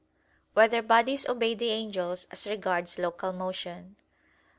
3] Whether Bodies Obey the Angels As Regards Local Motion?